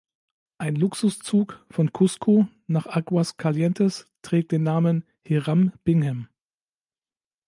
Ein Luxuszug von Cusco nach Aguas Calientes trägt den Namen Hiram Bingham.